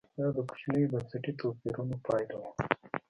دا د کوچنیو بنسټي توپیرونو پایله وه.